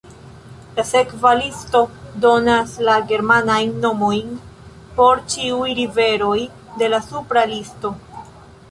La sekva listo donas la germanajn nomojn por ĉiuj riveroj de la supra listo.